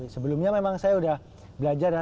sebelumnya memang saya sudah belajar ya